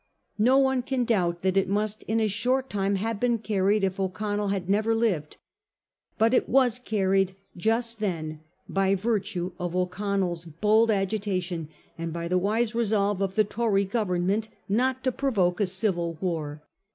No one can doubt that it must in a short time have been carried if O'Connell had never lived. But it was carried just then by virtue of O'Con nell's bold agitation and by the wise resolve of the Tory Government not to provoke a civil war.